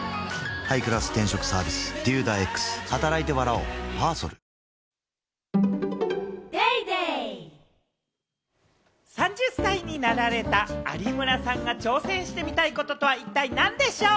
おいしさプラス３０歳になられた有村さんが挑戦してみたいこととは一体何でしょう？